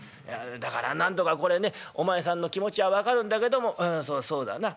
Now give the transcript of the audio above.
だからなんとかこれねお前さんの気持ちは分かるんだけどもうんそうそうだな。